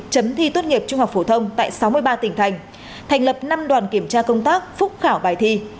chấm thi tốt nghiệp trung học phổ thông tại sáu mươi ba tỉnh thành thành lập năm đoàn kiểm tra công tác phúc khảo bài thi